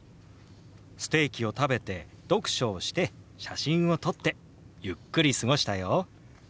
ステーキを食べて読書をして写真を撮ってゆっくり過ごしたよ。